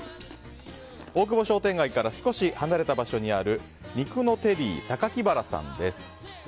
大久保商店街から少し離れた場所にある肉のテリーサカキバラさんです。